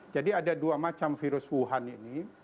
jadi ada dua macam virus wuhan ini